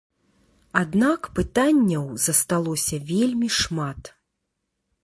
Аднак пытанняў засталося вельмі шмат.